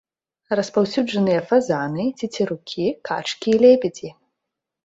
Распаўсюджаныя фазаны, цецерукі, качкі і лебедзі.